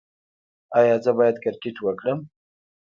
ایا زه باید کرکټ وکړم؟